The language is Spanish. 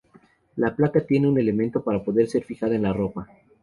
La placa tiene un elemento para poder ser fijada en la ropa.